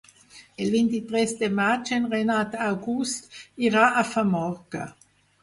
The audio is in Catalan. El vint-i-tres de maig en Renat August irà a Famorca.